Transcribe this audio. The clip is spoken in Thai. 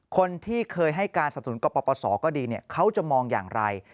คนที่เคยให้การสับสนุนกับปปศก็ดีเขาจะมองอย่างไร